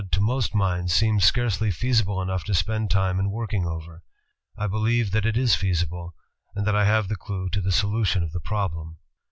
to most minds seem scarcely feasible enough to spend time in working over. I believe ... that it is feasible, and that I have the clue to the solution of the problem."